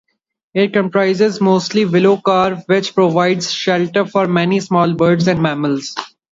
It comprises mostly willow carr, which provides shelter for many small birds and mammals.